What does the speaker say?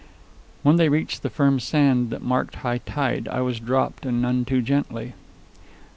When they reached the firm sand that marked high tide, I was dropped, and none too gently.